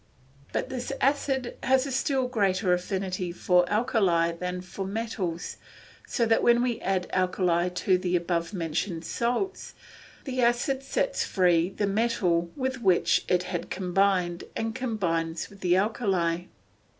But this acid has a still greater affinity for alkalis than for metals, so that when we add alkalis to the above mentioned salts, the acid sets free the metal with which it had combined, and combines with the alkali.